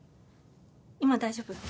今大丈夫？